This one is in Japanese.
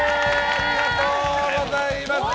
ありがとうございます！